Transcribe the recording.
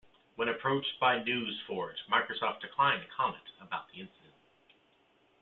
When approached by NewsForge, Microsoft declined to comment about the incident.